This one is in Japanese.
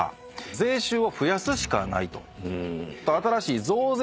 税収を増やすしかないと。